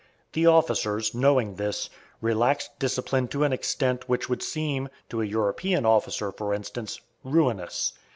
The officers, knowing this, relaxed discipline to an extent which would seem, to a European officer, for instance, ruinous.